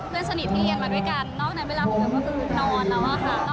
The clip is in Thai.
ไม่ได้สังสัจกับคนหลุดไป